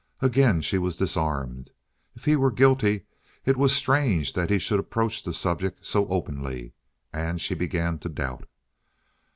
Again she was disarmed. If he were guilty, it was strange that he should approach the subject so openly. And she began to doubt.